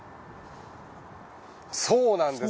そうなんです。